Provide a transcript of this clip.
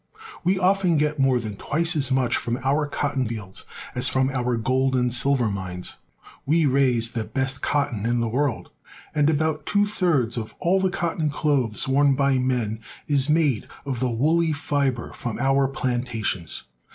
We often get more than twice as much from our cotton fields as from our gold and silver mines. We raise the best cotton in the world, and about two thirds of all the cotton clothes worn by men is made of the woolly fiber from our plantations.